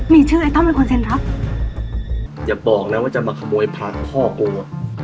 มีชื่อไอ้ต้อมเป็นคนเซ็นรับอย่าบอกนะว่าจะมาขโมยผักพ่อกูอ่ะ